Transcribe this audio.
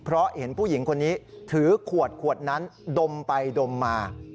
เพราะเห็นผู้หญิงคนนี้ถือขวดขวดนั้นดมไปดมมา